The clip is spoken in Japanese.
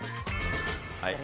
はい。